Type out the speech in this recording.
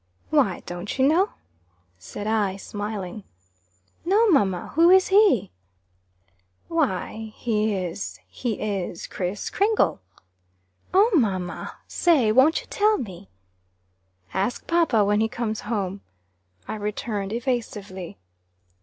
"Why, don't you know?" said I, smiling. "No, mamma. Who is he?" "Why, he is he is Kriss Kringle." "Oh, mamma! Say, won't you tell me?" "Ask papa when he comes home," I returned, evasively.